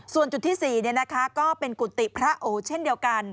ส่วนจุดที่๔ก็เป็นกุฏิพระโอเช่นเดียวกัน